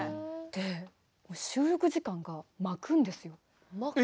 収録時間が巻くんですよ。